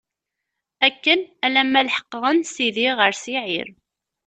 Akken alamma leḥqeɣ- n sidi, ɣer Siɛir.